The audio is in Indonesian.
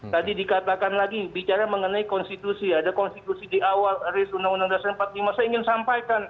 tadi dikatakan lagi bicara mengenai konstitusi ada konstitusi di awal res uu seribu sembilan ratus empat puluh lima saya ingin sampaikan